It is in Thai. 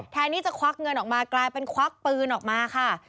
แทนที่จะควักเงินออกมากลายเป็นควักปืนออกมาค่ะ